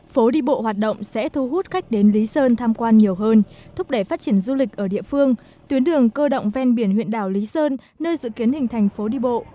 phố đi bộ hoạt động sẽ thu hút khách đến lý sơn tham quan nhiều hơn thúc đẩy phát triển du lịch ở địa phương tuyến đường cơ động ven biển huyện đảo lý sơn nơi dự kiến hình thành phố đi bộ